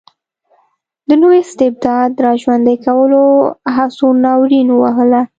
د نوي استبداد د را ژوندي کولو هڅو ناورین ووهله.